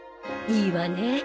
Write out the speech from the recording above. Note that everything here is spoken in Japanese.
いいわね。